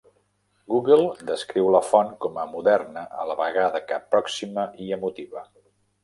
Google descriu la font com a "moderna, a la vegada que pròxima" i "emotiva".